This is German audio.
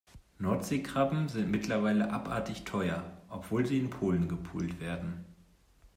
Nordseekrabben sind mittlerweile abartig teuer, obwohl sie in Polen gepult werden.